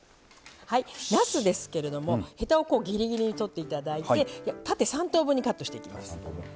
なすですけれどもヘタをぎりぎりに取っていただいて縦３等分にカットしていきます。